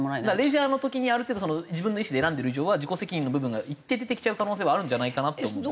レジャーの時にある程度自分の意思で選んでいる以上は自己責任の部分が一定出てきちゃう可能性はあるんじゃないかなって思うんですけど。